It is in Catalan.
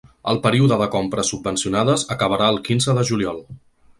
El període de compres subvencionades acabarà al quinze de juliol.